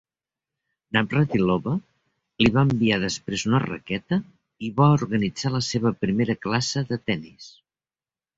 Navratilova li va enviar després una raqueta i va organitzar la seva primera classe de tenis.